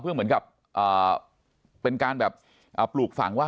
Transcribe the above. เพื่อเหมือนกับเป็นการแบบปลูกฝังว่า